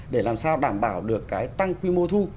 để làm sao đảm bảo được cái tăng quy mô thu